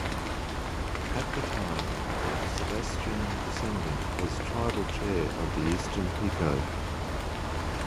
At the time, a Sebastian descendant was tribal chair of the Eastern Pequot.